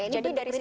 jadi dari situ